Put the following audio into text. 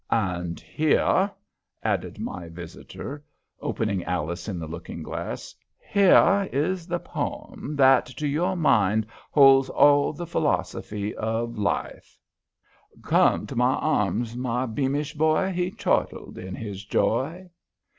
"And here," added my visitor, opening Alice in the Looking Glass "here is the poem that to your mind holds all the philosophy of life: "'Come to my arms, my beamish boy, He chortled in his joy.'"